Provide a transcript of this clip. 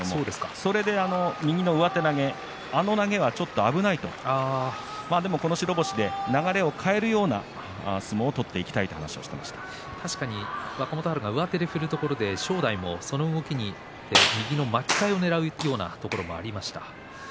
それで右の上手投げ、あの投げはちょっと危ないとこの白星で流れを変えるような相撲を取っていきたいという話を若元春が上手で振るところ正代がその動きで右の巻き替えをねらうようなところもありました。